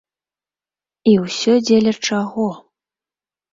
І ўсё дзеля чаго?